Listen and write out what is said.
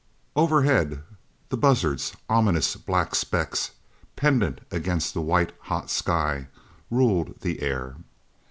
Overhead the buzzards, ominous black specks pendant against the white hot sky, ruled the air.